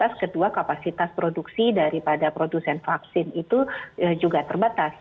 vaksin yang terbatas kedua kapasitas produksi daripada produsen vaksin itu juga terbatas